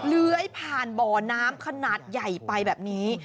เลื้อยผ่านบ่อน้ำขนาดใหญ่ไปแบบนี้